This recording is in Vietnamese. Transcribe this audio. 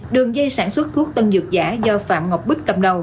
đường dây sản xuất thuốc tân dược giả do phạm ngọc bích cầm đầu